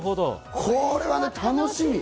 これはね、楽しみ。